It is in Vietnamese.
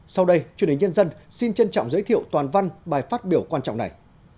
sau đây truyền hình nhân dân xin trân trọng giới thiệu toàn văn bài phát biểu quan trọng này